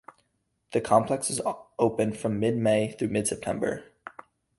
The complex is open from mid-May through mid-September.